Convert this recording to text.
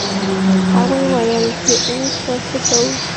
هغوی وویل چې اوس به څه کوو.